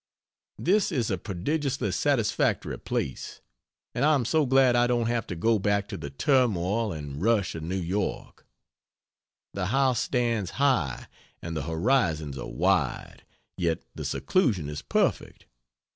This is a prodigiously satisfactory place, and I am so glad I don't have to go back to the turmoil and rush of New York. The house stands high and the horizons are wide, yet the seclusion is perfect.